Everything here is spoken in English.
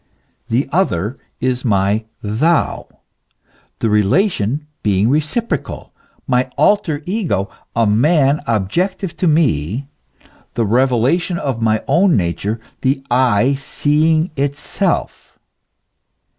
The other is my thou, the re lation being reciprocal, my alter ego, man objective to me, the revelation of my own nature, the eye seeing itself.